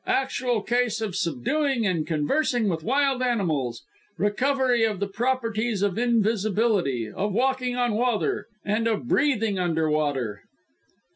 ACTUAL CASE OF SUBDUING AND CONVERSING WITH WILD ANIMALS. RECOVERY OF THE PROPERTIES OF INVISIBILITY; OF WALKING ON WATER, AND OF BREATHING UNDER WATER."